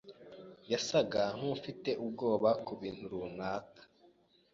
yasaga nkufite ubwoba kubintu runaka.